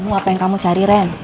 udah ketemu apa yang kamu cari ren